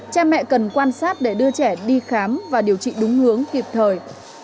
cha mẹ cần quan sát để đưa trẻ đi khám và điều trị đúng hướng kịp thời